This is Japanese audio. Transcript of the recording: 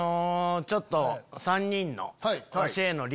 ちょっと３人の。